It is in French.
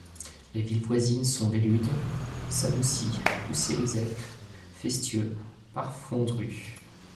Les villes voisines sont Veslud, Samoussy, Coucy-lès-Eppes, Festieux, Parfondru.